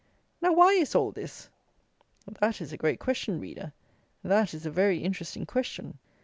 Now why is all this? That is a great question, reader. That is a very interesting question.